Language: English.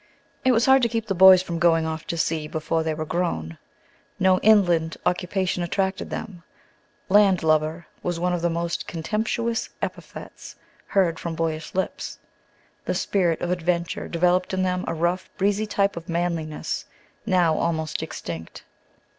It was hard to keep the boys from going off to sea before they were grown. No inland occupation attracted them. "Land lubber" was one of the most contemptuous epithets heard from boyish lips. The spirit of adventure developed in them a rough, breezy type of manliness, now almost extinct.